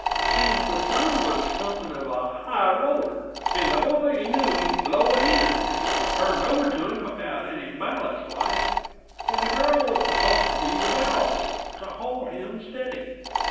Seems the son was something of a high roller, and the old lady knew he'd blow it in, if it was turned over to him without any ballast, like; and the girl was supposed to be the ballast, to hold him steady.